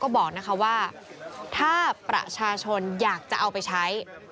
บอกนะคะว่าถ้าประชาชนอยากจะเอาไปใช้